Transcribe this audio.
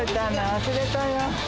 忘れたよ。